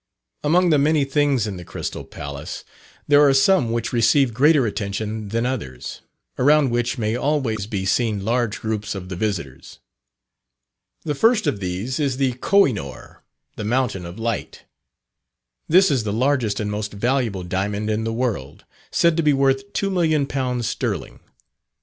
Among the many things in the Crystal Palace, there are some which receive greater attention than others, around which may always be seen large groups of the visitors. The first of these is the Koh i noor, the "Mountain of Light." This is the largest and most valuable diamond in the world, said to be worth £2,000,000 sterling.